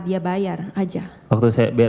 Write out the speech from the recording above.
dia bayar aja waktu saya biar